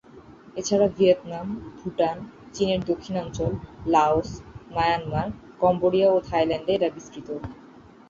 এছাড়া ভিয়েতনাম, ভুটান, চীনের দক্ষিণাঞ্চল, লাওস, মায়ানমার, কম্বোডিয়া ও থাইল্যান্ডে এরা বিস্তৃত।